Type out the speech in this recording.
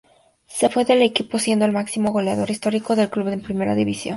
Se fue del equipo siendo el máximo goleador histórico del club en Primera División.